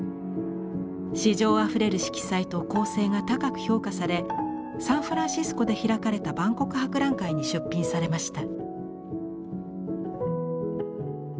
詩情あふれる色彩と構成が高く評価されサンフランシスコで開かれた万国博覧会に出品されました。